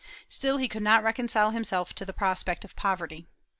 Still, he could not reconcile himself to the prospect of poverty.